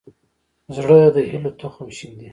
زړه د هيلو تخم شیندي.